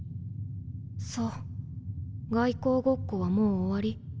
そう外交ごっこはもう終わり？